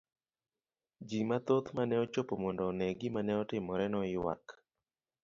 Ji mathoth mane ochopo mondo one gima ne otimore noyuak.